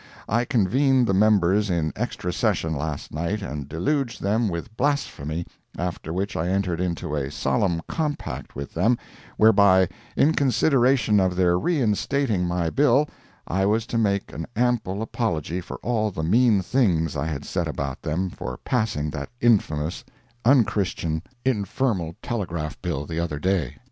I convened the members in extra session last night, and deluged them with blasphemy, after which I entered into a solemn compact with them, whereby, in consideration of their re instating my bill, I was to make an ample apology for all the mean things I had said about them for passing that infamous, unchristian, infernal telegraph bill the other day.